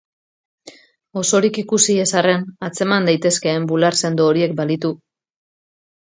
Osorik ikusi ez arren antzeman daitezkeen bular sendo horiek balitu...